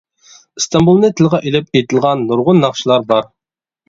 ئىستانبۇلنى تىلغا ئېلىپ ئېيتىلغان نۇرغۇن ناخشىلار بار.